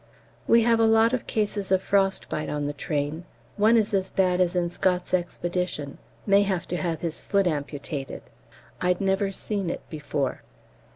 We have a lot of cases of frost bite on the train. One is as bad as in Scott's Expedition; may have to have his foot amputated. I'd never seen it before.